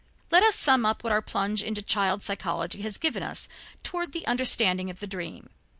Let us sum up what our plunge into child psychology has given us toward the understanding of the dream.